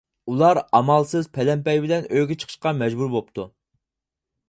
ئۇلار ئامالسىز پەلەمپەي بىلەن ئۆيىگە چېقىشقا مەجبۇر بوپتۇ.